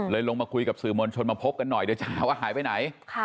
ลงมาคุยกับสื่อมวลชนมาพบกันหน่อยเดี๋ยวจะหาว่าหายไปไหน